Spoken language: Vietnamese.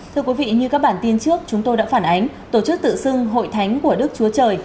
thưa quý vị như các bản tin trước chúng tôi đã phản ánh tổ chức tự xưng hội thánh của đức chúa trời